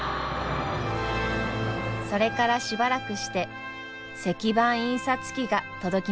それからしばらくして石版印刷機が届きました。